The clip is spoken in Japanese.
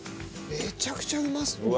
めちゃくちゃうまそう。